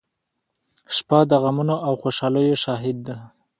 • شپه د غمونو او خوشالیو شاهد ده.